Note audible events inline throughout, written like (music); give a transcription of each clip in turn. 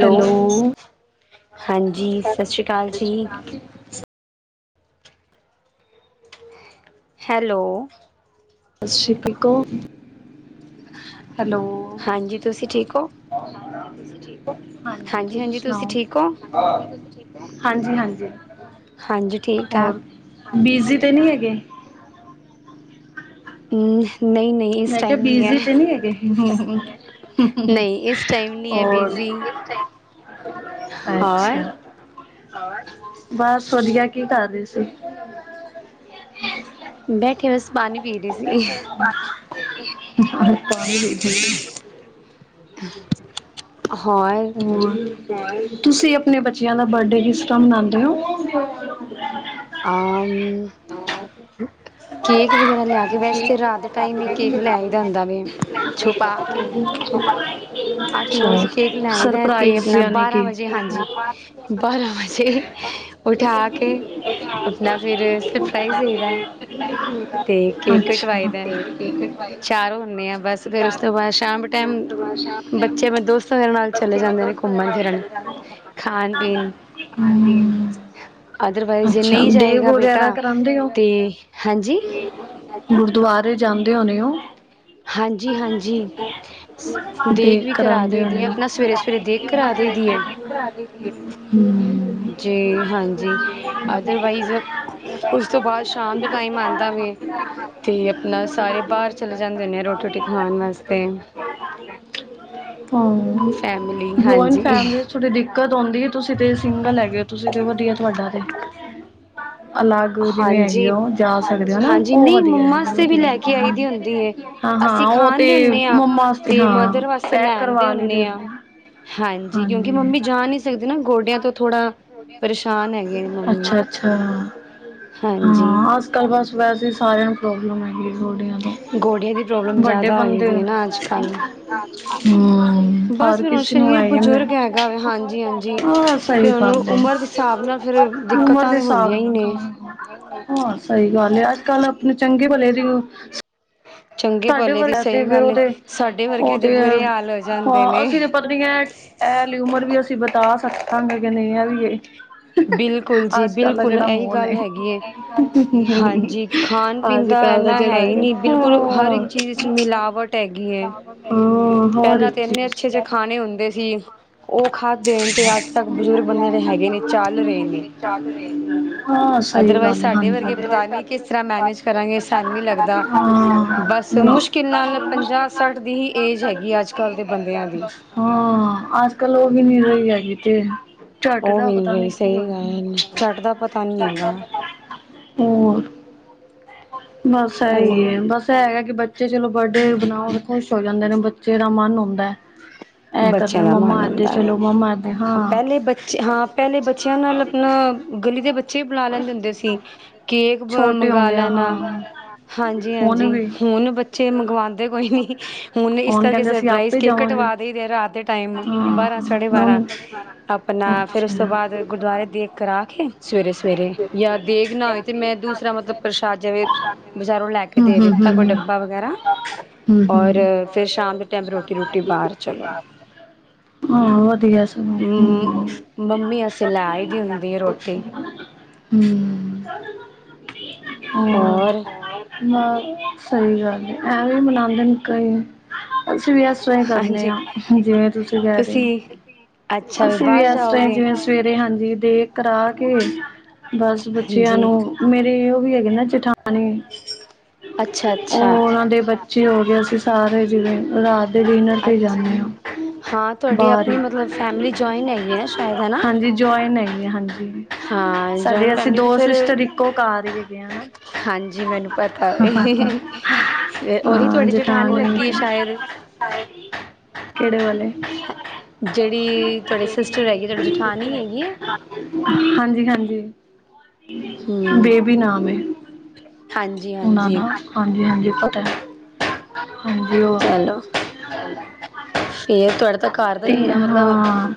Hello ਹਾਂਜੀ ਸਸ਼ ਸਤਿ ਸ੍ਰੀ ਅਕਾਲ ਸ਼੍ਰੀ ਜੀ। ਅਕਾਲ। ਹੈਲੋ। ਤੁਸੀਂ ਠੀਕ ਹੋ? ਹੈਲੋ। ਹਾਂਜੀ ਤੁਸੀਂ ਠੀਕ ਹੋ ਤੁਸੀਂ ਠੀਕ ਹੋ? ਹਾਂਜੀ, ਤੁਸੀ ਤੁਸੀਂ ਸੁਣਾਓ। ਠੀਕ ਹੋ ਹਾਂਜੀ ਹਾਂਜੀ। ਹਾਂਜੀ ਠੀਕ-ਠਾਕ। ਬੀਜੀ ਤੇ ਨਹੀਂ ਹੈਗੇ। ਹੂੰ ਨਈ ਨਈ ਮੈਂ ਕਿਹਾ ਬਿਜੀ ਤੇ ਨੀ ਹੈਗੇ। ਨਹੀਂ ਇਸ ਟਾਈਮ ਨਹੀਂ ਹੈ ਹੋਰ ਬਿਜ਼ੀ ਹੋਰ ਅੱਛਾ। ਬਸ ਵਧੀਆ। ਕੀ ਕਰ ਰਈ ਸੀ? ਬੈਠੇ ਬਸ ਪਾਣੀ ਪੀ ਰਹੀ ਸੀ। ਵਾਹ (unintelligible) (unintelligible) ਹ (inaudible) ਤੁਸੀਂ ਆਪਣੇ ਬੱਚਿਆਂ ਦਾ ਬਰਡੇ ਕਿਸ ਤਰ੍ਹਾਂ ਮਨਾਂਦੇ ੳ? (unintelligible) ਆਮ ਕੇਕ ਵਗੈਰਾ ਲਿਆ ਕੇ, ਵੈਸੇ ਤੇ ਰਾਤ ਦੇ ਟਾਈਮ ਈ ਕੇਕ ਲੈ ਈ ਦਾ ਹੁਂਦਾ ਵੇ ਛੁਪਾ ਕੇ। ਅੱਠ ਨੌ ਅੱਛਾ ਵਜੇ ਕੇਕ ਲੈਏਦਾ ਤੇ ਸਰਪ੍ਰਾਈਜ਼ ਆਪਣਾ ਯਾਨੀ ਕਿ ਬਾਰਾਂ ਵਜੇ ਹਾਂਜੀ। ਬਾਰਾ ਵਜੇ ਉਠਾ ਕੇ (unintelligible) ਅੱਛਾ ਹੈ ਤੇ ਕੇਕ ਕਟਵਾਈ (unintelligible) ਦਾ ਚਾਰ ਹੁੰਦੇ ਆ ਬਸ ਫਿਰ ਉਸ ਤੋਂ ਬਾਅਦ ਸ਼ਾਮ ਟਾਈਮ ਕਰਕਟ ਭਾਸ਼ਾ ਆਪ ਬੱਚੇ ਮੈਂ ਦੋਸਤਾਂ ਦੇ ਨਾਲ ਚਲੇ ਬੱਚੇ ਮ ਜਾਂਦੇ ਦ, ਨੇ ਘੁੰਮਣ ਫਿਰਨ ਖਾਣ ਪੀਣ (unintelligible) (unintelligible) ਅਦਰਵਾਈਜ਼ ਜੇ ਅੱਛਾ ਨਹੀਂ ਦੇਗ ਜਾਏਗਾ ਬੇਟਾ ਵਗੈਰਾ ਕਰਾਂਦੇ ਉ। ਤੇ ਹਾਂਜੀ ਗੁਰਦੁਆਰੇ ਜਾਂਦੇ ਹੋਣੇ ਉ। ਹਾਂਜੀ ਹਾਂਜੀ ਦੇਗ ਵੀ ਕਰਾ ਕਰਾਉਂਦੇ ਦੇਈ ਹੋਣੇ ਦੀ ਹੈ ਆਂ। ਆਪਣਾ ਸਵੇਰੇ ਸਵੇਰੇ ਦੇਗ ਕਰਾ ਦੇਈ ਦੀ ਹੈ (unintelligible) ਹਮ ਜੀ ਹਾਂਜੀ ਅਦਰਵਾਈਜ਼ ਉਸ ਤੋਂ (unintelligible) ਬਾਅਦ (unintelligible) ਸ਼ਾਮ ਦਾ ਹਾਂ ਟਾਈਮ ਆਉਂਦਾ ਵੇ ਤੇ ਆਪਣਾ ਸਾਰੇ ਬਾਹਰ ਚਲੇ ਜਾਂਦੇ ਹੁੰਦੇ ਆ ਰੋਟੀ ਰੋਟੀ ਖਾਣ ਵਾਸਤੇ ਫੈਮਿਲੀ ਜੋਇਡ ਹਾਂਜੀ ਫੈਮਲੀ ਚ ਬੜੀ ਦਿੱਕਤ ਆਉਂਦੀ ਏ, ਤੁਸੀਂ ਤੇ ਸਿੰਗਲ ਹੈਗੇ ਉ ਤੁਸੀਂ ਤੇ ਵਧੀਆ ਤੁਹਾਡਾ ਤੇ। ਅਲਾਗ ਉ ਜੀਵੇਂ। ਹਾਂਜੀ ਉਹ ਜਾ ਸਕਦੇ ਉ ਨਾ ਹਾਂਜੀ ਉਹ ਨਹੀਂ ਵਧੀਆ ਮੰਮਾ ਰ ਵਾਸਤੇ ਵੀ ਵਧੀਆ ਲੈ ਕੇ ਆਈ ਦੀ ਹੁੰਦੀ ਹੈ (unintelligible) ਹਾਂ ਹਾਂ ਅਸੀਂ ਉਹ ਖਾਣ ਤੇ ਦੇ ਹੁੰਦੇ ਹਾਂ ਮੰਮਾ ਵਾਸਤੇ ਤੇ ਹਾਂ ਮਦਰ ਵਾਸਤੇ ਪੈਕ ਲੈਣ ਕਰਵਾ ਲਈ ਦੇ ਹੁੰਦੇ ਹਾਂ ਹੁਨੇ ਆਂ। ਹਾਂਜੀ ਕਿਉਂਕਿ ਮੰਮੀ ਜਾ ਨਹੀਂ ਸਕਦੇ ਨਾ, ਗੋਡਿਆਂ ਤੋਂ ਥੋੜਾ ਪਰੇਸ਼ਾਨ ਹੈਗੇ ਨੇ ਮੰਮੀ। ਅੱਛਾ ਅੱਛਾ ਹਾਂਜੀ ਅਜ ਕਲ ਬਸ ਵੈਸੇ ਈ ਸਾਰਿਆਂ ਨੂੰ ਪ੍ਰੋਬਲਮ ਹੈਗੀ ਗੋਡੀਆਂ ਦੀ। ਗੋਡੇਆਂ ਦੀ ਪ੍ਰੋਬਲਮ ਜ਼ਿਆਦਾ ਹੋਈ ਦੀ ਏ ਨਾ ਅੱਜ ਕੱਲ। ਹਮ ਬਸ ਹਰ ਫਿਰ ਹੁਨ ਕਿਸੇ ਨੂੰ ਸ਼ਰੀਰ ਆਈ ਹੈ ਬਜ਼ੁਰਗ ਹੈਗਾ ਵੇ। ਹਾਂਜੀ ਹਾਂਜੀ ਹਾਂ ਸਹੀ ਚਲੋ, ਗੱਲ ਹੈ ਉਮਰ ਦੇ ਹਿਸਾਬ ਨਾਲ ਫੇਰ ਉਮਰ ਦਿੱਕਤਾਂ ਦੇ ਤੇ ਹਿਸਾਬ ਹੁੰਦੀਆਂ ਈ ਨਾਲ ਨੇ। ਖਾਣਾ ਹਾਂ ਸਹੀ ਗੱਲ ਏ, ਅੱਜ ਕੱਲ ਆਪਣੇ ਚੰਗੇ ਭਲੇ ਦੀ ਚੰਗੇ ਸਾਡੇ ਭਲੇ ਦੀ ਵਰਗੀਆਂ ਤੇ ਸਹੀ ਫਿਰ ਗੱਲ ਉਹ ਏ ਤੇ, ਸਾਡੇ ਉਹ ਵਰਗਿਆਂ ਦੇ ਤੇ ਹੈ ਬੁਰੇ ਹਾਲ ਹੋ ਜਾਂਦੇ ਹਾਂ ਨੇ। ਅਸੀਂ ਤੇ ਪਤਲੀਆਂ ਏਂ ੲੈ ਵਾਲੀ ਉਮਰ ਵੀ ਅਸੀਂ ਬਿਤਾ ਸਕਾਂਗੇ ਕਿ ਨਈ ੲੈ ਵੀ ਏ। ਬਿਲਕੁਲ ਜੀ ਬਿਲਕੁਲ ਏਹੀ ਮਾਹੌਲ ਗੱਲ ਹੈ ਹੈਗੀ ਏ। ਹਾਂਜੀ ਖਾਨ ਪੀਨ ਅੱਜ ਦਾ ਕੱਲ ਐਨਾ ਹੈ ਜਿਹੜਾ ਈ ਹੈਗਾ ਨਹੀ ਬਿਲਕੁਲ ਹਰ ਹਾਂ ਇੱਕ ਚੀਜ਼ ਚ ਮਿਲਾਵਟ ਹੈਗੀ ਏ, ਹਾਂ ਹਰ ਪੈਲਾਂ ਇੱਕ ਤੇ ਇੰਨੇ ਚੀਜ਼ ਅੱਛੇ ਜੇ ਖਾਣੇ ਹੁੰਦੇ ਸੀ। ਉਹ ਖਾਦੇ ਨੇ ਤੇ ਅੱਜ ਤੱਕ ਬਜ਼ੁਰਗ ਬੰਦੇ ਜਿਹੜੇ ਹੈਗੇ ਨੇ ਚੱਲ ਰਹੇ ਨੇ। ਹਾਂ ਸਹੀ ਅਦਰਵਾਈਜ਼ ਗੱਲ ਹੈ ਸਾਡੇ ਹਾਂਜੀ ਵਰਗੇ ਪਤਾ ਅਦਰਵਾਈਜ਼ ਨੀ ਸਾਡੀ ਕਿਸ ਤਰ੍ਹਾਂ ਮੈਨੇਜ ਕਰਾਂਗੇਂ ਟਾਈਮ ਨਹੀਂ ਲੱਗਦਾ ਹਾਂ ਬਸ। ਅਤੇ ਨਾ ਹਾਂ ਮੁਸ਼ਕਿਲ ਨਾਲ ਪੰਜਾਹ ਸੱਠ ਦੀ ਹੀ ਏਜ ਹੈਗੀ ਅੱਜ ਕੱਲ੍ਹ ਦੇ ਬੰਦਿਆਂ ਦੀ। ਹਾਂ ਅੱਜ ਕੱਲ ਉਹ ਵੀ ਨਹੀਂ ਰਹੀ ਹੈਗੀ ਤੇ। ਝੱਟ ਉਹ ਦਾ ਮਿਲ ਪਤਾ ਨੀਂ ਰਹੀ ਕੀ ਸਹੀ ਗੱਲ ਝੱਟ ਦਾ ਪਤਾ ਨੀ ਹੋਣਾ। ਹੈਗਾ ਹੋਰ, ਬਸ ਇਹੀ ਹੈਲੋ ਹੈ, ਬਸ ਹੈਗਾ ਕਿ ਬੱਚੇ ਚਲੋ ਬਰਡੇ ਬਣਾਓ ਖ਼ੁਸ਼ ਹੋ ਜਾਂਦੇ ਨੇ ਬੱਚੇ ਦਾ ਮਨ ਹੁੰਦਾ ਹੈ। ਇਹ ਬੱਚਿਆਂ ਕਰਦੇ ਦਾ ਮੰਮਾ ਮਨ ਏਦੇ ਹੁੰਦਾ ਹੈ, ਚਲੋ ਮੰਮਾ ਏਦੇ ਹਾਂ ਪਹਿਲੇ ਬੱਚੇ ਹਾਂ ਪਹਿਲੇ ਬੱਚਿਆਂ ਨਾਲ ਆਪਣਾ ਗਲੀ ਦੇ ਬੱਚੇ ਵੀ ਬੁਲਾ ਲੈਂਦੇ ਹੁੰਦੇ ਸੀ ਕੇਕ ਛੋਟੇ ਮੰਗਾ ਹੁੰਦੇ ਆ ਲੈਣਾ। ਹਾਂ ਹਾਂਜੀ, ਹੁਣ ਹਾਂਜੀ। ਵੀ ਹੁਣ ਬੱਚੇ ਬਚੇ ਮੰਗਵਾਉਂਦੇ ਕੋਈ ਨੀ, ਹੁਣ ਇਸ ਕਰਕੇ ਕਹਿੰਦੇ ਅਸੀਂ ਸਰਪ੍ਰਾਈਜ਼ ਆਪੇ ਕੇਕ ਜਾਵਾਂਗੇ। ਕਟਵਾ ਕ ਦੇਰ ਰਾਤ ਦੇ ਟਾਈਮ ਹਾਂ ਬਾਰਾਂ-ਸਾਢੇ-ਬਾਰਾਂ ਹੁਣ ਆਪਣਾ ਫੇਿਰ ਉਸ ਤੋਂ ਅੱਛਾ। ਬਾਅਦ ਗੁਰਦੁਆਰੇ ਦੇਗ ਕੜਾਹ ਸਵੇਰੇ, ਸਵੇਰੇ ਯਾ ਦੇਗ ਨਾ ਹੋਏ ਤੇ, ਮੈਂ ਦੂਸਰਾ ਮਤਲਬ ਪ੍ਰਸ਼ਾਦ ਜਿਵੇਂ ਬਜ਼ਾਰੋਂ ਲੈ ਕੇ ਕੇ ਹੂੰ ਦੇ ਹੂੰ ਦਿੱਤਾ ਹੂੰ ਕੋਈ ਹੂੰ। ਡੱਬਾ ਵਗੈਰਾ ਹੂੰ ਔਰ ਹੂੰ ਫੇਰ, ਸ਼ਾਮ ਦੇ ਟਾਈਮ ਰੋਟੀ-ਰੂਟੀ ਬਾਹਰ। (unintelligible) ਚਲੋ ਹਾਂ ਵਧੀਆ ਸਗੋ। (unintelligible) ਮ ਮੰਮੀ ਅਸੇ ਲੈ ਆਈ ਦੀ ਹੁੰਦੀ ਹੈ ਰੋਟੀ ਹਾਂ ਹੋਰ ਸਹੀ ਗੱਲ ਹੈ, ਐਵੇਂ ਮਨਾਉਦੇ ਨੇ ਕਈ। ਅਸੀਂ ਵੀ ਇਸ ਤਰ੍ਹਾਂ ਹੀ ਕਰਨੇ ਹਾਂਜੀ ਹਾਂ, ਜਿਵੇਂ ਤੁਸੀਂ ਕਹਿ ਰਹੇ ਹੋ। ਤੁਸੀਂ ਅੱਛਾ ਅਸੀਂ ਵੀ ਬਾਹਰ ਐਸ ਤਰਾਂ ਹੀ ਜਾਓਗੇ ਜਿਵੇ ਸਵੇਰੇ ਹਾਂਜੀ ਦੇਗ ਕਰਾ ਕੇ ਬਸ ਬੱਚਿਆਂ ਹਾਂਜੀ ਨੂੰ ਮੇਰੇ ਉਹ ਵੀ ਹੈਗੇ ਨੇ ਨਾ ਜਠਾਣੀ ਅੱਛਾ ਅੱਛਾ ੳ ਦੇ ਬੱਚੇ ਹੋ ਗਏ ਅਸੀਂ ਸਾਰੇ ਜਿਵੇਂ ਰਾਤ ਦੇ ਡਿਨਰ ਤੇ ਅੱਛ ਜਾਂਦੇ ਹਾਂ। ਹਾਂ ਤੁਹਾਡੀ ਬਾਰ ਆਪਣੀ ਮਤਲਬ ਹੀ। ਫੈਮਿਲੀ ਜੁਆਇਨ ਹੈਗੀ ਹੈ ਨਾ ਸ਼ਾਇਦ ਹੈ ਨਾ ਹਾਂਜੀ ਜੁਆਇਨ ਹੈਗੀ ਹਾਂਜੀ। ਹਾਂ ਸਾਡੇ ਜੁਆਇੰਟ ਅਸੀਂ ਫੈਮਿਲੀ ਤੇ ਦੋ ਫਿਰ ਸਿਸਟਰ ਇੱਕੋ ਘਰ ਹੀ ਹੈਗੇ ਆ ਹਨਾ। ਹਾਂਜੀ ਮੈਨੂੰ ਪਤਾ ਹੇ। ਫੇਰ ਉਹੀ ਤੁਹਾਡੀ ਜੇਠਾਣੀ ਲੱਗੀ ਸ਼ਾਇਦ? ਹਾਂਜੀ, ਕਿਹੜੇ ਵਲੇ? ਜਿਹੜੀ ਤੁਹਾਡੇ ਸਿਸਟਰ ਜੇੜੀ ਹੈਗੀ ਤੁਹਾਡੀ ਬਿਗ ਜਠਾਣੀ ਸਿਸਟਰਸ ਹੈਗੀ ਹੈ ਹੈਗੀ ਨਾ, ਹਾਂਜੀ, ਹਾਂਜੀ। ਹਮ ਬੇਬੀ ਨਾਮ ਹੈ ਹਾਂਜੀ ਉਹਨਾ ਹਾਂਜੀ ਦਾ। ਹਾਂਜੀ ਹਾਂਜੀ ਪਤਾ ਹੈ। ਹਾਂਜੀ ਉਹ ਚਲੋ ਫੇਰ ਤੁਹਾਡੇ ਤਾਂ ਘਰ ਦਾ ਹੀ ਤੇ ਇੰਨਾ ਮਤਲਬ ਹਾਂ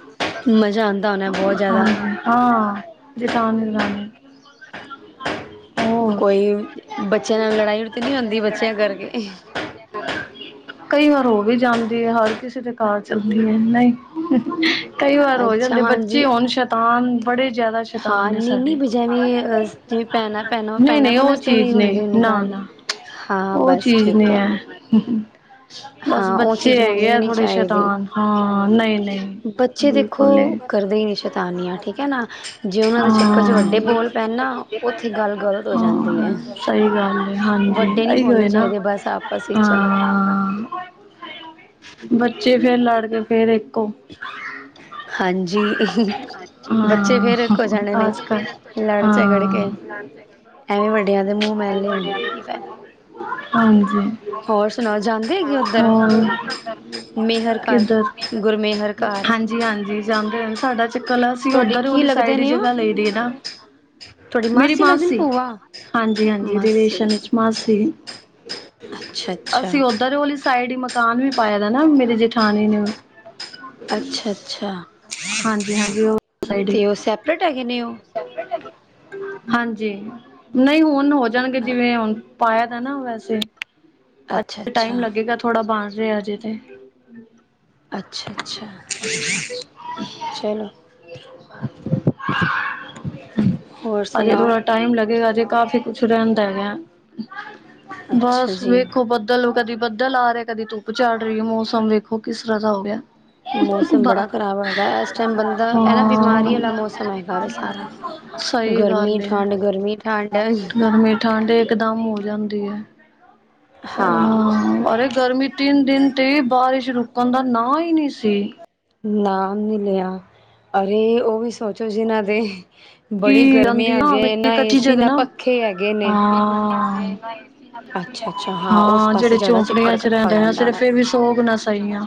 ਮਜ਼ਾ ਆਉਂਦਾ ਹੋਣਾ ਬਹੁਤ ਜ਼ਿਆਦਾ ਹਾਂਜੀ ਹਾਂ। ਜੇਠਾਣੀ ਰਲਾਣੇ। ਕੋਈ ਬੱਚਿਆਂ ਨਾਲ ਲੜਾਈ ਤੇ ਨਹੀ ਹੋਂਦੀ ਬੱਚਿਆਂ ਕਰਕੇ? (unintelligible) ਕਈ ਵਾਰ ਹੋ ਵੀ ਜਾਂਦੀ ਹੈ। ਹਰ ਕਿਸੇ ਦੇ ਘਰ ਚੱਲਦੀ ਹੈ, ਨਹੀਂ? ਕਈ ਵਾਰ ਹੋ ਅੱਛਾ ਜਾਂਦੇ ਬੱਚੇ ਹਾਂਜੀ ਹੋਣ ਸ਼ੈਤਾਨ ਬੜੇ ਜ਼ਿਆਦਾ ਸ਼ੈਤਾਨ ਹਾਂ ਨੇ ਨਹੀਂ ਨਹੀਂ ਸਾਡੇ। ਵੀ ਜਿਵੇਂ ਅਹ ਜਿਵੇਂ ਭੈਣਾਂ ਭੈਣਾਂ ਨਹੀਂ, ਭੈਣਾਂ ਭੈਣਾਂ ਨਹੀਂ ਉਹ ਵਾਸਤੇ ਨਹੀਂ ਚੀਜ਼ ਨੇ, ਹੁੰਦੀ ਹੁੰਦੀ ਨਾ, ਗੱਲ ਨਾ। ਹਾਂ ਉਹ ਬਸ ਚੀਜ਼ ਨੇ ਠੀਕ ਹੈ। ਬਸ ਹਾਂ ਉਹ ਬੱਚੇ ਚੀਜ਼ ਹੈਗੇ ਹੋਣੀ ਵੀ ਆ ਨਹੀਂ ਥੋੜੇ ਚਾਹੀਦੀ ਸ਼ੈਤਾਨ ਹਾਂ ਨਹੀਂ, ਨਹੀਂ। ਬਿਲਕੁਲ ਨਹੀਂ। ਤਾਨੀਆਂ ਠੀਕ ਹੈ ਨਾ? ਜੇ ਉਹਨਾਂ ਦੇ ਚੱਕਰ ਚ ਵੱਡੇ ਹਾਂ ਬੋਲ ਪੈਣ ਨਾ ਉੱਥੇ ਗੱਲ ਗਲਤ ਹੋ ਜਾਂਦੀ ਹਾਂ ਹੈ। ਸਹੀ ਗੱਲ ਹੈ, ਹਾਂਜੀ। ਵੱਡੇ ਨਹੀਂ ਇਹੀ ਬੋਲਣੇ ਹੋਏ ਨਾ ਚਾਹੀਦੇ ਬਸ ਆਪਸ ਵਿੱਚ ਹਾਂ ਬੱਚੇ ਫੇਰ ਲੜ ਕੇ ਫੇਰ ਇੱਕੋ। ਹਾਂਜੀ। ਬੱਚੇ ਹਾਂ ਫੇਰ ਇਕ ਜਾਣੇ ਨੇ ਅੱਜ ਕੱਲ ਲੜ ਝਗੜ ਹਾਂ ਕੇ। ਐਵੇਂ ਵੱਡਿਆਂ ਦੇ ਮੂੰਹ ਮਹਿਲੇ ਹੋਣਗੇ ਕੀ ਫਾਇਦਾ। ਹਾਂਜੀ, ਹੋਰ ਸੁਣਾਓ ਜਾਂਦੇ ਹੈਗੇ ਉੱਧਰ ਹੋਰ। ਮੇਹਰ ਘਰ ਕਿੱਧਰ? ਗੁਰਮੇਹਰ ਘਰ। ਹਾਂਜੀ, ਹਾਂਜੀ ਜਾਂਦੇ ਹਨ। ਸਾਡਾ ਕਲ ਅਸੀਂ ਤੁਹਾਡੇ ਓਧਰ ਕੀ ੳਲੀ ਲੱਗਦੇ ਸਾਈਡ ਹੀ ਨੇ ਉਹ ਜਗ੍ਹਾ ਲਈਦੇ ਨਾ। ਤੁਹਾਡੀ ਮੇਰੀ ਲੱਗਦੇ ਨੇ ਮਾਸੀ। ਭੂਆ। ਹਾਂਜੀ, ਹਾਂਜੀ ਮਾਸੀ ਨੇ ਰਿਲੇਸ਼ਨ ਵਿਚ ਮਾਸੀ। ਅੱਛਾ ਅੱਛਾ ਅਸੀਂ ਓਧਰ ਉਹਲੀ ਸਾਈਡ ਹੀ ਮਕਾਨ ਵੀ ਪਾਇਏ ਦਾ ਨਾ, ਮੇਰੀ ਜੇਠਾਣੀ ਨੇ। ਅੱਛਾ ਅੱਛਾ। ਹਾਂਜੀ, ਹਾਂਜੀ ਉਹ ਸਾਈਡ ਹੀ ਤੇ ਉਹ ਸੈਪਰੇਟ ਹੈਗੇ ਨੇ ਉਹ। ਹਾਂਜੀ ਨਈ ਹੁਣ ਹੋ ਜਾਣਗੇ ਜਿਵੇਂ ਹੁਣ ਪਾਇਆ ਤਾ ਨਾ ਵੈਸੇ, ਅੱਛਾ ਅ ਟਾਈਮ ਅੱਛਾ। ਲੱਗੇਗਾ ਥੋੜਾ ਬਣ ਰਿਹਾ ਹਜੇ ਤੇ। ਅੱਛਾ-ਅੱਛਾ। (inaudible) ਚਲੋ ਹੋਰ ਹਜੇ ਸੁਣਾਓ ਥੋੜਾ ਟਾਈਮ ਲੱਗੇਗਾ ਅਜੇ ਕਾਫੀ ਕੁਛ ਰਹਿੰਦਾ ਹੈਗਾ। ਅੱਛਾ ਬਸ ਜੀ। ਵੇਖੋ ਦਲ ਕਦੀ ਬੱਦਲ ਆ ਰਿਹਾ ਕਦੀ ਧੁੱਪ ਚੜ ਰਹੀ ਆ ਮੌਸਮ ਵੇਖੋ ਕਿਸ ਤਰ੍ਹਾਂ ਦਾ ਹੋ ਗਿਆ। ਮੌਸਮ ਬੜਾ ਖਰਾਬ ਹੋਏਦਾ ਇਸ ਟਾਈਮ ਬੰਦਾ ਐ ਨਾ ਬਿਮਾਰੀ ਆਲਾ ਮੌਸਮ ਹੈਗਾ ਵੇ ਸਾਰਾ। ਸਈ ਗਰਮੀ ਗੱਲ ਏ, ਠੰਡ ਗਰਮੀ ਠੰਡ ਗਰਮੀ ਠੰਡ ਏ ਇਕਦਮ ਹੋ ਜਾਂਦੀ ਐ, ਹਾਂ ਹ ਉਰ ਗਰਮੀ ਤਿੰਨ ਦਿਨ ਤੇ ਈ ਬਾਰਿਸ਼ ਰੁਕਣ ਦਾ ਨਾਂ ਈ ਨੀ ਸੀ। ਨਾਂ ਨੀ ਲਿਆ ਅਰੇ ਉਹ ਵੀ ਸੋਚੋ ਜਿਨਾਂ ਦੇ ਬੜੀ ਕੀ ਗਰਮੀ ਜਾਂਦੀ ਨਾ ਆਂਦੀ ਆਂ ਮਿੱਟੀ ਏਨਾ ਏ ਕੱਚੀ ਸੀ ਜਗ੍ਹਾ ਨਾ ਪੱਖੇ ਹੈਗੇ ਨੇ। ਹਾਂ। ਅੱਛਾ ਅੱਛਾ ਉਸ ਹਾਂ ਪਾਸੇ ਜਿਹੜੇ ਜ਼ਿਆਦਾ ਚਿੱਕੜ ਝੋਂਪੜੀਆਂ ਚ ਇਕੱਠਾ ਹੋ ਰਹਿੰਦੇ ਆ ਜਾਂਦਾ ਸਿਰਫ ਹੋਣਾ ਇਹ ਵੀ ਸੋ ਗੁਨਾ ਸਈ ਆ।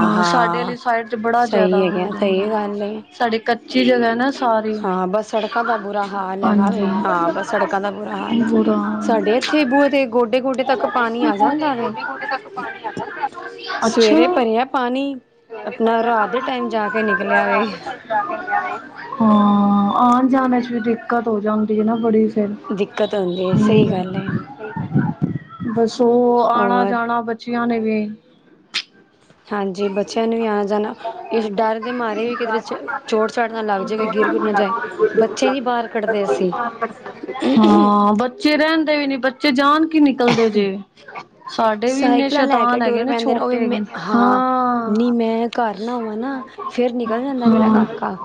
ਹਾਂ ਸਾਡੇ ਆਲੀ ਸਾਈਡ ਚ ਬੜਾ ਜਿਆਦਾ ਸਹੀ ਹੋ ਹੈਗਾ ਜਾਂਦਾ, ਸਹੀ ਗੱਲ ਹੈ ਸਾਡੇ ਕੱਚੀ ਜਗ੍ਹਾ ਨਾ। ਸਾਰੀ ਹਾਂ ਬਸ ਸੜਕਾਂ ਦਾ ਬੁਰਾ ਹਾਲ ਹੈਗਾ ਵੇ ਹਾਂਜੀ ਹਾਂ ਬਸ ਸੜਕਾਂ ਦਾ ਬੁਰਾ ਹਾਲ ਏ, ਬੁਰਾ ਸਾਡੇ ਥੇ ਬੂਏ ਤੇ ਗੋਡੇ-ਗੋਡੇ ਤੱਕ ਪਾਣੀ ਆ ਜਾਂਦਾ ਵੇ, ਅੱਛਾ ਸਵੇਰੇ ਹਾਂ ਭਰਿਆ ਪਾਣੀ ਆਪਣਾ ਰਾਤ ਦੇ ਟਾਈਮ ਜਾ ਕੇ ਨਿਕਲਿਆ ਵੇ। ਹਾਂ ਆਣ-ਜਾਣ ਨ ਚ ਵੀ ਦਿੱਕਤ ਹੋ ਜਾਂਦੀ ਏ ਨਾ ਬੜੀ ਫੇਰ ਦਿੱਕਤ ਹੁੰਦੀ ਹੈ ਸਹੀ ਹੂੰ। ਗੱਲ ਹੈ ਬਸ ਉਹ ਹੋਰ ਆਣਾ-ਜਾਣਾ ਬੱਚਿਆਂ ਨੇ ਵੀ। (unintelligible) ਹਾਂਜੀ ਬੱਚਿਆਂ ਨੂੰ ਵੀ ਆਉਣਾ ਜਾਣਾ ਇਸ ਡਰ ਦੇ ਮਾਰੇ ਵੀ ਕਿਧਰੇ ਚੋਟ ਚਾਟ ਨਾ ਲੱਗ ਜਾਏ ਕੋਈ ਗਿਰ ਗੁਰ ਨਾ ਜਾਏ ਬੱਚੇ ਨੀ ਬਾਹਰ ਕੱਢਦੇ ਅਸੀਂ ਹਾਂ ਬੱ ਚੇ ਰਹਿੰਦੇ ਵੀ ਨੀ ਬੱ ਚੇ ਜਾਨ ਕੇ ਨਿਕਲਦੇ ਜੇ ਸਾਡੇ ਵੀ ਇੰਨੇ ਸਾਈਕਲਾਂ ਲੈ ਕੇ ਸ਼ੈਤਾਨ ਹੈਗੇ ਟੁਰ ਨੇ ਪੈਂਦੇ ਉਹ ਛੋਟੇ ਵੀ ਮੈਂ ਹੈਗੇ ਨੇ। ਹਾਂ ਨੀ ਮੈਂ ਘਰ ਨਾ ਹੋਵਾ ਨਾ ਫੇਰ ਨਿਕਲ ਜਾਂਦਾ ਮੇਰਾ ਹਾਂ ਕਾਕਾ।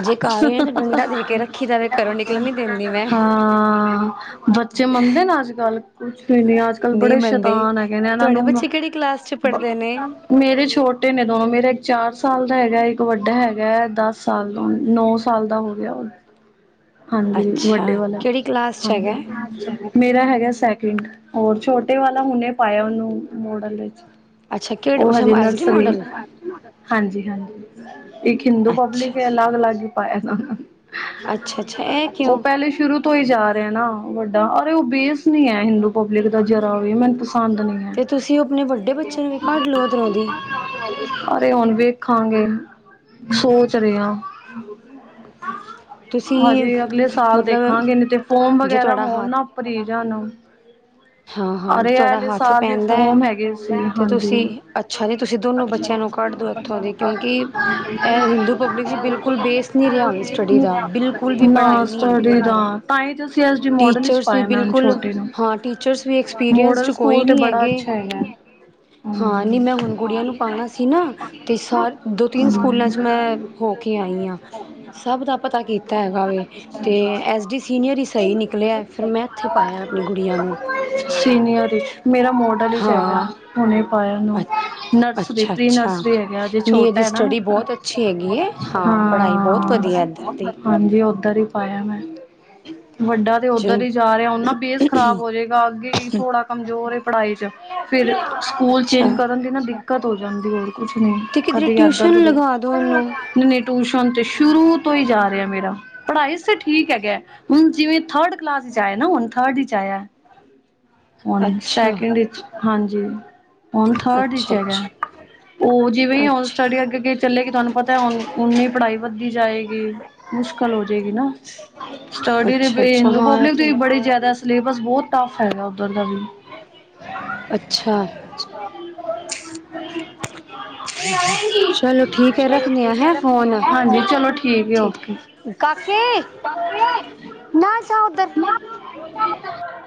ਜੇ ਕਾਰ ਐ ਤੇ ਡੰਡਾ ਦੇ ਕੇ ਰੱਖੀ ਦਾ ਵੇ ਘਰੋਂ ਨਿਕਲਣ ਨੀ ਦਿੰਦੀ ਮੈਂ। ਹਾਂ ਬੱਚੇ ਮੰਨਦੇ ਨ ਅੱਜ-ਕੱਲ ਕੁਛ ਤੁਈ ਨੀ ਅੱਜ-ਕੱਲ ਨਹੀਂ ਬੜੇ ਮੰਨਦੇ ਸ਼ੈਤਾਨ ਹੈਗੇ ਨੇ ਇਹਨਾਂ ਤੁਹਾਡੇ ਨੂੰ ਬੱਚੇ ਕਿਹੜੀ ਕਲਾਸ ਚ ਬ ਪੜ੍ਹਦੇ ਨੇ ਮੇਰੇ ਛੋਟੇ ਨੇ ਦੋਨੋ ਮੇਰਾ ਇੱਕ ਚਾਰ ਸਾਲ ਦਾ ਹੈਗਾ ਐ ਇੱਕ ਵੱਡਾ ਹੈਗਾ ਐ ਦਸ ਸਾਲ ਤੋਂ ਨੌ ਸਾਲ ਦਾ ਹੋ ਗਿਆ ਉਹ, ਹਾਂਜੀ ਅੱਛਾ ਵੱਡੇ ਵਾਲਾ, ਕਿਹੜੀ ਕਲਾਸ 'ਚ ਹੈਗਾ ਹਾਂਜੀ। ਮੇਰਾ ਹੈਗਾ ਸੈਕਿੰਡ ਹੋਰ ਛੋਟੇ ਵਾਲਾ ਹੁਣੇ ਪਾਇਆ ਉਹਨੂੰ ਮੋਡਲ ਵਿੱਚ। ਅੱਛਾ ਕਿਹੜੇ ਉਹ ਅੱਛਾ ਹਜੇ ਐਸ ਡੀ ਨਰਸਰੀ। ਮੋਡਲ ਹਾਂਜੀ-ਹਾਂਜੀ ਇੱਕ ਹਿੰਦੂ ਅੱਛਾ ਪਬਲਿਕ ਐ ਜੀ ਅਲੱਗ-ਅਲੱਗ ਪਾਇਆ। ਅੱਛਾ ਅੱਛਾ ਇਹ ਉਹ ਕਿਉਂ ਪਹਿਲੇ ਸ਼ੁਰੂ ਤੋਂ ਈ ਜਾ ਰਿਹਾ ਨਾ ਵੱਡਾ ਅਰੇ ਉਹ ਬੇਸ ਨੀ ਐ ਹਿੰਦੂ ਪਬਲਿਕ ਦਾ ਜਰਾ ਵੀ ਮੈਨੂੰ ਪਸੰਦ ਨੀ ਐ। 'ਤੇ ਤੁਸੀਂ ਉਹ ਆਪਣੇ ਵੱਡੇ ਬੱਚੇ ਨੂੰ ਵੀ ਕੱਢ ਲੋ ਉਧਰੋਂ ਦੀ। ਅਰੇ ਹੁਣ ਵੇਖਾਂਗੇ, ਸੋਚ ਰਹੇ ਆ। ਤੁਸੀਂ (inaudible) ਹਜੇ ਅਗਲੇ ਸਾਲ ਮਤਲਬ ਦੇਖਾਂਗੇ ਨੀ 'ਤੇ ਫੋਮ ਜੇ ਵਗੈਰਾ ਹੋਣ ਨਾ ਉਹ (unintelligible) ਨਾ ਹਾਂ-ਹਾਂ ਥੋੜਾ ਹੱਥ ਪੈਂਨਦਾ ਐ ਫੋਮ ਹੈਗੇ ਸੀ 'ਤੇ ਹਾਂਜੀ। ਤੁਸੀਂ ਅੱਛਾ ਜੀ ਤੁਸੀਂ ਦੋਨੋ ਬੱਚਿਆਂ ਨੂੰ ਪੜ੍ਹ ਦੋ ਇੱਥੋਂ ਦੀ ਕਿਉਂਕਿ ਇਹ ਹਿੰਦੂ ਪਬਲਿਕ 'ਚ ਬਿਲਕੁਲ ਬੇਸ ਨੀ ਰਿਹਾ ਹੁਣ ਸਟੱਡੀ ਦਾ ਬਿਲ ਬਿਲਕੁਲ ਵੀ ਨਾ ਪੜ੍ਹਾਈ ਨੀ ਏਗੀ ਸਟੱਡੀ ਦਾ ਉੱਧਰ, ਤਾਂ ਹੀ ਤਾਂ ਸੀ ਐਸ ਡੀ ਮੋਡਲ ਵਿੱਚ ਟੀਚਰਸ ਵੀ ਪਾਇਆ ਮੈਂ ਹੁਣ ਬਿਲਕੁਲ ਛੋਟੇ ਨੂੰ। ਹਾਂ ਟੀ ਟੀਚਰਸ ਵੀ ਐਕਸਪੀਰੀਅੰਸ ਮੋਡਲ 'ਚ ਕੋਈ ਸਕੂਲ ਤੇ ਨੀ ਬੜਾ ਹੈਗੇ। ਅੱਛਾ ਹੈਗਾ ਹਾਂ ਨੀ ਹਾਂਜੀ। ਮੈਂ ਹੁਣ ਗੁੜੀਆਂ ਨੂੰ ਪਾਣਾ ਸੀ ਨਾ 'ਤੇ ਸਾਰ ਦੋ, ਤਿੰਨ ਸਕੂਲਾਂ 'ਚ ਮੈਂ ਹਾਂਜੀ। ਹੋ ਕੇ ਆਈ ਆ, ਸਭ ਦਾ ਪ ਤਾ ਕੀਤਾ ਹੈਗਾ ਵੇ 'ਤੇ ਐਸ ਡੀ ਸੀਨੀਅਰ ਈ ਸਈ ਨਿਕਲਿਆ ਫਿਰ ਮੈਂ ਇੱਥੇ ਪਾਇਆ ਆਪਣੀ ਗੁੜੀਆਂ ਨੂੰ। ਸੀਨੀਅਰ ਦੇ ਇਚ ਮੇਰਾ ਮੋਡਲ ਵਿਚ ਹੈਗਾ ਹਾਂ ਹੁਨੇ ਪਾਇਆ ਅ ਇਨੂੰ। ਅੱਛਾ ਅੱਛਾ ਨੀ ਛੋਟਾ ਇਹਦੀ ਹੈ ਨਾ ਸਟੱਡੀ ਬਹੁਤ ਅੱਛੀ ਹੈਗੀ ਹੈ ਹਾਂ। ਹਾਂ ਪੜ੍ਹਾਈ ਬਹੁਤ ਵਧੀਆ ਹਾਂ ਇੱਧਰ। ਦੀ ਹਾਂਜੀ ਉੱਧਰ ਹੀ ਪਾਇਆ ਮੈਂ ਵੱਡਾ। ਉੱਧਰ ਹੀ ਜਾ ਚਲੋ ਰਿਹਾ ਉਹਨਾਂ ਬੇਸ ਖਰਾਬ ਹੋ ਜਾਏ। ਅੱਗੇ ਥੋੜਾ ਕਮਜ਼ੋਰ ਪੜ੍ਹਾਈ ਚ ਫਿਰ ਸਕੂਲ ਅੱਛਾ ਚੇਂਜ ਕਰਨ ਦੀ ਨਾ। ਦਿੱਕਤ ਹੋ ਜਾਂਦੀ ਹੋਰ ਕੁਛ ਨੀ ਤੇ ਕਿਧਰੇ ਕਦੇ ਇਧਰ ਟਿਊਸ਼ਨ ਕਦੇ ਲਗਾ ਦੋ ਇਹਨੂੰ ਟਊਸ਼ਨ ਤੇ ਸ਼ੁਰੂ ਤੋਂ ਜਾ ਰਿਹਾ ਮੇਰਾ। ਪੜ੍ਹਾਈ ਚ ਠੀਕ ਹੈਗਾ ਹੁਣ ਜਿਵੇਂ ਥਰਡ ਕਲਾਸ ਵਿੱਚ ਆਇਆ ਨਾ ਹੁਣ ਥਰਡ ਵਿੱਚ ਆਇਆ ਹਣ ਅੱਛਾ ਸੈਕਿੰਡ ਵਿਚ ਹਾਂਜੀ ਹਣ ਥਰਡ ਵਿਚ ਅੱਛਾ ਹੈਗਾ। ਅੱਛਾ ਉਹ ਜਿਵੇਂ ਅੱਛਾ ਸਟੱਡੀ ਅੱਗੇ ਅੱਗੇ ਚੱਲੇਗੀ ਤੁਹਾਨੂੰ ਪਤਾ ਹੈ ਓਨੀ ਪੜ੍ਹਾਈ ਵਧਦੀ ਜਾਏ। ਗੀ ਮੁਸ਼ਕਿਲ ਹੋ ਜਾਏਗੀ ਨਾ ਸਟੱਡੀ ਅੱਛਾ ਦੇ ਅੱਛਾ ਹਿੰਦੂ ਹਾਂ ਇਹ ਪਬਲਿਕ ਦੀ ਤੇ ਬੜੀ ਜ਼ਿਆਦਾ। ਸਿਲੇਬਸ ਬਹੁਤ ਟੱਫ ਹੈਗਾ ਉੱਧਰ ਦਾ ਵੀ। ਅੱਛਾ। (inaudible) (unintelligible) ਹਾਂਜੀ ਚਲੋ। ਹੈ ਠੀਕ ਓਕੇ ਕਾਕੇ ਨਾ ਜਾ ਉਧਰ।